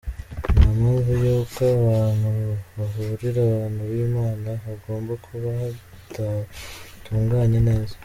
Nta mpamvu y’uko ahantu hahurira abantu b’Imana hagomba kuba hadatunganye neza.